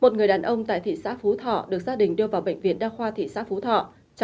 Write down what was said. tin từ bệnh viện đa khoa thị xã phú thọ